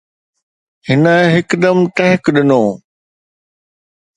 هن هڪدم ٽهڪ ڏنو.